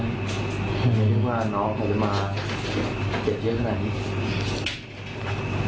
ไม่รู้ว่าน้องจะมาเกลียดเยอะขนาดนี้